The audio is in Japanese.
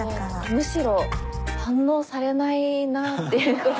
むしろ反応されないなっていうこと。